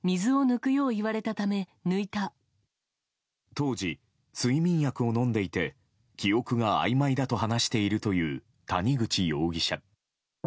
当時、睡眠薬を飲んでいて記憶があいまいだと話しているという谷口容疑者。